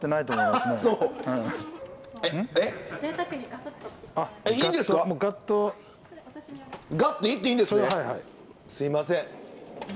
すいません。